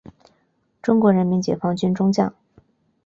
中国人民解放军中将。